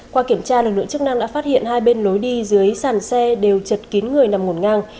qua kiểm tra lực lượng chức năng đã phát hiện hai bên lối đi dưới sàn xe đều chật kín người nằm ngổn ngang